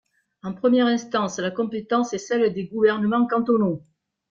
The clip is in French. En première instance, la compétence est celle des gouvernements cantonaux.